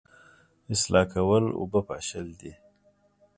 اصلاح کول اوبه پاشل دي